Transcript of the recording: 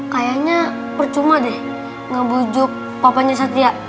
kayaknya percuma deh ngebujuk papanya satya